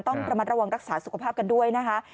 ต้องระมัดระวังรักษาสุขภาพกันด้วยนะคะ